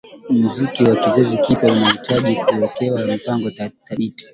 Muziki wa kizazi kipya unahitaji kuwekewa mipango thabiti